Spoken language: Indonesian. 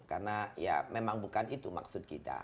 karena ya memang bukan itu maksud kita